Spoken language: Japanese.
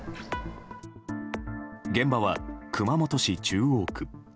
現場は熊本市中央区。